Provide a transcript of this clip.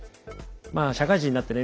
まあ社会人になってね